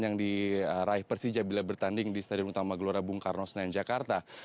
yang diraih persija bila bertanding di stadion utama gelora bung karno senayan jakarta